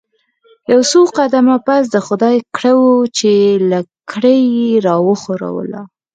یو څو قدمه پس د خدای کړه وو چې لکړه یې راوښوروله.